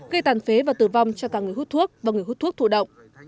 gây tàn phế và tử vong cho cả người hút thuốc và người hút thuốc thụ động